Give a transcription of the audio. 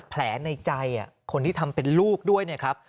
ในใจคนที่ทำเป็นลูกด้วยนะครับ